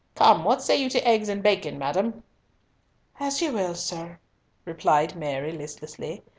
Come, what say you to eggs and bacon, madam?" "As you will, sir," replied Mary, listlessly.